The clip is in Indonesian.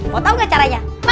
mau tau gak caranya